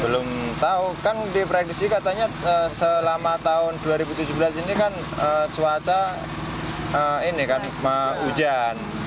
belum tahu kan diprediksi katanya selama tahun dua ribu tujuh belas ini kan cuaca ini kan hujan